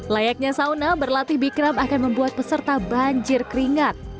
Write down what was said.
layaknya sauna berlatih bikram akan membuat peserta banjir keringat